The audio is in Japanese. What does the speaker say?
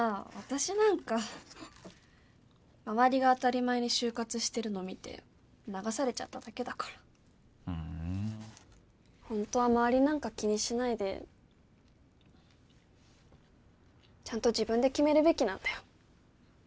私なんか周りが当たり前に就活してるの見て流されちゃっただけだからふんホントは周りなんか気にしないでちゃんと自分で決めるべきなんだよ